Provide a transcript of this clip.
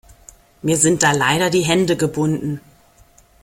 Mir sind da leider die Hände gebunden.